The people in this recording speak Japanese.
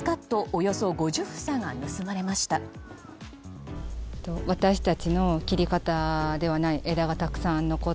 およそ５０房が盗まれました。